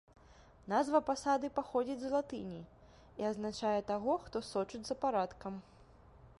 Назва пасады паходзіць з латыні і азначае таго, хто сочыць за парадкам.